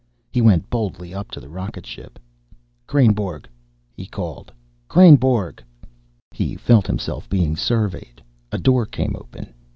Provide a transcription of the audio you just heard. He went boldly up to the rocket ship. "Kreynborg!" he called. "Kreynborg!" He felt himself being surveyed. A door came open.